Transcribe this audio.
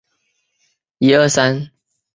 杨行密同意了。